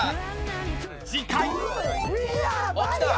［次回！］